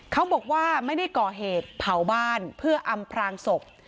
เขาบอกว่าไม่ได้ก่อเหตุเผาบ้านเพื่ออำพรางศพ